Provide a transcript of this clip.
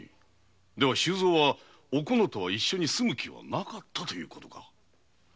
では周蔵はおこのとは一緒に住む気はなかったということか？